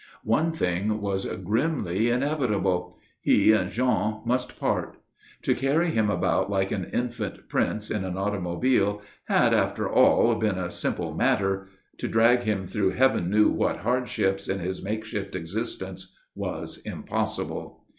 One thing was grimly inevitable. He and Jean must part. To carry him about like an infant prince in an automobile had, after all, been a simple matter; to drag him through Heaven knew what hardships in his makeshift existence was impossible.